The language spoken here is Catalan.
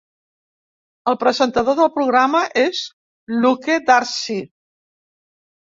El presentador del programa és Luke Darcy.